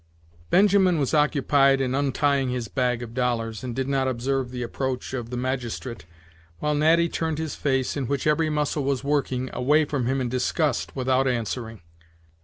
Benjamin was occupied in untying his bag of dollars, and did not observe the approach of the magistrate, while Natty turned his face, in which every muscle was working, away from him in disgust, without answering.